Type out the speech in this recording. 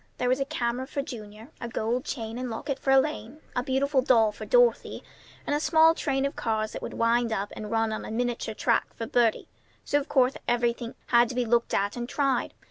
There was a camera for Junior, a gold chain and locket for Elaine, a beautiful doll for Dorothy, and a small train of cars that would wind up and run on a miniature track for Bertie; so of course everything had to be looked at and tried.